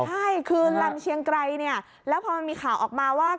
ใช่คือลำเชียงไกรเนี่ยแล้วพอมันมีข่าวออกมาว่า